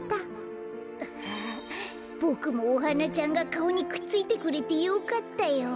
ボクもおハナちゃんがかおにくっついてくれてよかったよ。